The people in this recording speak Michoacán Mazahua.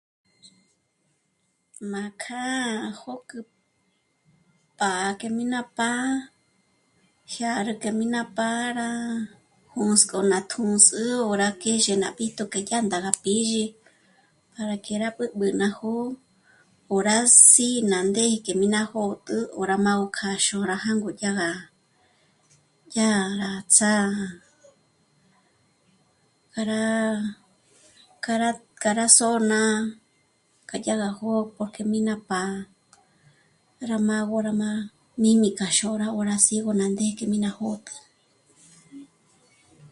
Má kjâ'a jôk'ú pá'a que mi ná pá'a, jyâ rú que mí ná pá'a rá jûsk'o ná tjū́ndzi ó rá kjèzhe ná b'íjtu que yá ndá rá pízhi para que rá b'ǚb'ü ná jó'o k'o rá sí'i ná ndé que mí ná jó'tjü ó rá má gó k'a xuá'a rá jângo yá ja... yá rá ts'á... rá... k'a rá, k'a rá só'n'a k'a yá gá jó'o porque mí ná pá'a. Rá má gó ná má'a míjmi kja xôrá ó má sí'ño rá ndé que mí ná jö̌'tü